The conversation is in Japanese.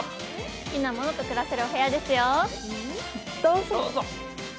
好きなものと暮らせるお部屋ですよ、どうぞ！